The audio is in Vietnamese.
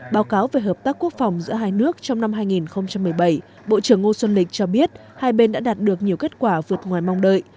báo cáo về hợp tác quốc phòng giữa hai nước trong năm hai nghìn một mươi bảy bộ trưởng ngô xuân lịch cho biết hai bên đã đạt được nhiều kết quả vượt ngoài mong đợi